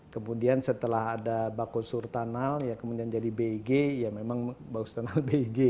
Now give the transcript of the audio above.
kemudian setelah ada bako surtanal ya kemudian jadi beg ya memang bako surtanal beg